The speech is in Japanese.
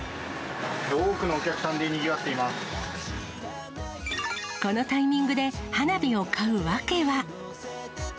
多くのお客さんでにぎわってこのタイミングで花火を買う訳は。